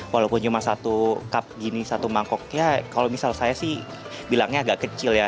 walaupun cuma satu cup gini satu mangkok ya kalau misal saya sih bilangnya agak kecil ya